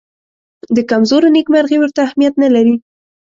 د کمزورو نېکمرغي ورته اهمیت نه لري.